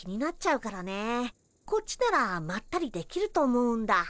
こっちならまったりできると思うんだ。